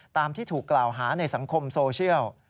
ตามที่ถูกกล่าวหาในสังคมโซเชียล